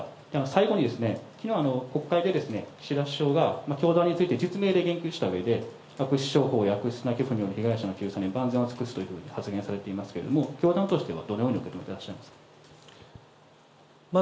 最後に、きのう、国会で岸田首相が、教団について実名で言及したわけで、悪質商法や悪質なの被害者の救済に万全を尽くすと発言されていましたけれども、教団としてはどのように受け止めてらっしゃいま